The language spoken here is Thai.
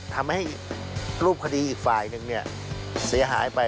ทำให้รูปคดีอีกฝ่ายหนึ่งเสียหายไป